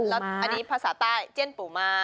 แล้วอันนี้ภาษาใต้เจียนปู่มา